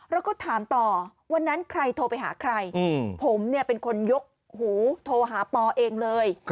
เราก็ถามต่อวันนั้นใครโทรไปหาใครผมเป็นคนยกหูโทรหาปอเองเลย